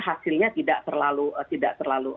hasilnya tidak terlalu